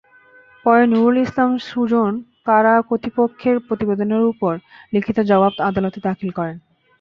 পরে নুরুল ইসলাম সুজন কারা কর্তৃপক্ষের প্রতিবেদনের ওপর লিখিত জবাব আদালতে দাখিল করেন।